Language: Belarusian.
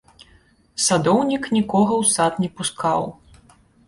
Садоўнік нікога ў сад не пускаў.